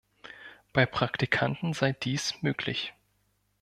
Bei Praktikanten sei dies möglich.